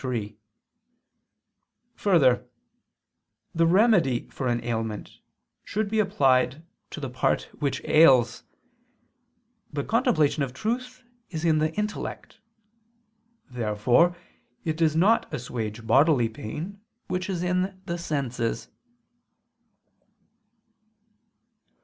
3: Further, the remedy for an ailment should be applied to the part which ails. But contemplation of truth is in the intellect. Therefore it does not assuage bodily pain, which is in the senses.